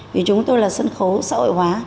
vì chúng tôi là sân khấu sợi hóa